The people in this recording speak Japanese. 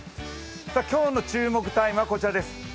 今日の注目タイムはこちらです。